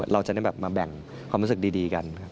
เราจะได้แบบมาแบ่งความรู้สึกดีกันครับ